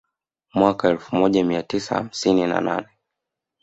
Mwaka elfu moja mia tisa hamsini na nane